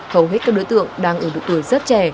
hầu hết các đối tượng đang ở độ tuổi rất trẻ